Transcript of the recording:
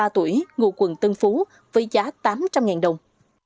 bốn mươi ba tuổi ngụ quận tân phú với giá tám trăm linh đồng